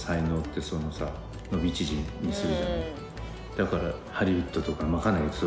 だから。